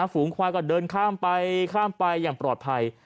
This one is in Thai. ฝูงควายก็เดินข้ามไปข้ามไปอย่างปลอดภัย